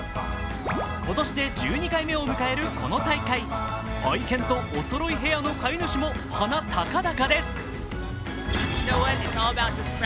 今年で１２回目を迎えるこの大会愛犬とおそろいヘアの飼い主も鼻高々です。